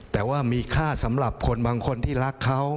แต่ว่ามีค่าสำหรับคนบางคนที่รักเขา